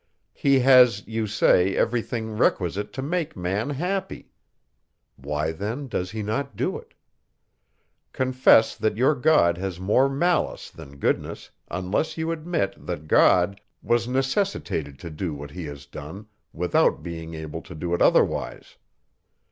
He has, you say, every thing requisite to make man happy. Why then does he not do it? Confess, that your God has more malice than goodness, unless you admit, that God, was necessitated to do what he has done, without being able to do it otherwise.